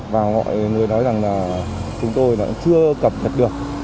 và mọi người nói rằng là chúng tôi cũng chưa cập nhật được